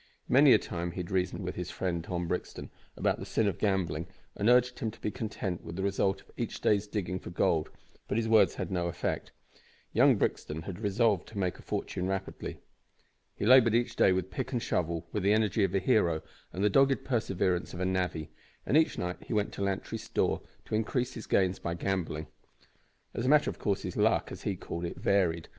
Many a time had he reasoned with his friend, Tom Brixton, about the sin of gambling, and urged him to be content with the result of each day's digging for gold, but his words had no effect. Young Brixton had resolved to make a fortune rapidly. He laboured each day with pick and shovel with the energy of a hero and the dogged perseverance of a navvy, and each night he went to Lantry's store to increase his gains by gambling. As a matter of course his "luck," as he called it, varied.